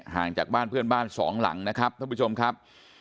ห่างจากบ้านเพื่อนบ้านสองหลังนะครับท่านผู้ชมครับ